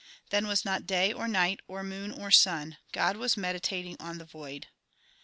Then was not day, or night, or moon, or sun ; God was meditating on the void.